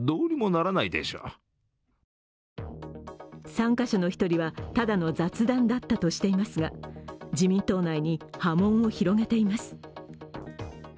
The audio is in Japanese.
参加者の１人は、ただの雑談だったとしていますが自民党内に波紋を広げています。